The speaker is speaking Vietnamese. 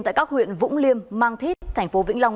tại các huyện vũng liêm mang thít tp vĩnh long